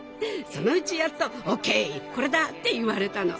そのうちやっと「オーケーこれだ」って言われたの。